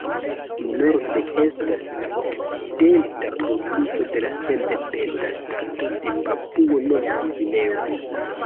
Norde estas la Okcidenta Provinco de la sendependa ŝtato de Papuo-Nov-Gvineo.